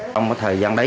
trong thời gian đấy